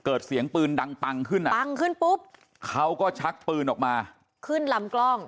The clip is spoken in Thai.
เฉดเสียงปืนดังตังขึ้นอะปรังขึ้นปุ๊บเขาก็ชักปืนออกมา